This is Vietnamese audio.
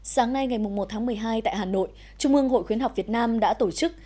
sáng nay ngày một tháng một mươi hai tại hà nội trung ương hội khuyến học việt nam đã tổ chức